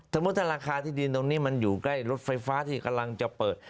สมมุติถ้าราคาที่ดินตรงนี้มันอยู่ใกล้รถไฟฟ้าที่กำลังจะเปิด